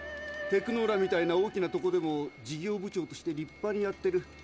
テクノーラみたいな大きなとこでも事業部長として立派にやってる。